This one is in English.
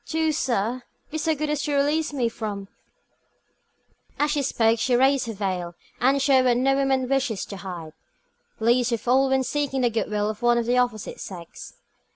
Do, sir, be so good as to release me from " As she spoke, she raised her veil, and showed what no woman wishes to hide, least of all when seeking the good will of one of the opposite sex.